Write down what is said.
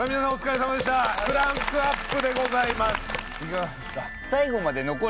いかがでした？